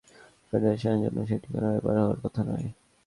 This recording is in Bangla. দেশের সবচেয়ে ধনী ক্রীড়া ফেডারেশনের জন্য সেটি কোনো ব্যাপার হওয়ার কথা নয়।